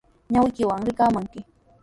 Ñawiykiwan rikaamanki